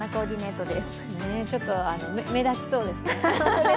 ちょっと目立ちそうですね。